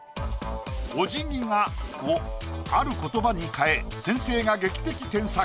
「お辞儀が」をある言葉に変え先生が劇的添削。